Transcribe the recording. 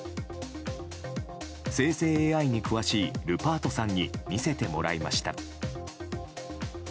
生成ＡＩに詳しいルパートさんに見せてもらいました。